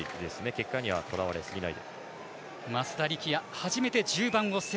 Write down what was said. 結果にはとらわれすぎない。